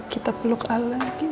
kita peluk al lagi